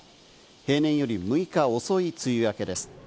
平年より６日遅い梅雨明けです。